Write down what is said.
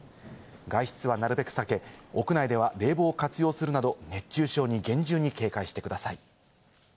外出はなるべく避け、屋内では冷房を活用するなど、熱中症に厳重に警戒してください。